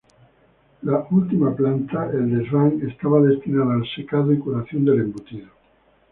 La última planta, el desván, estaba destinada al secado y curación del embutido.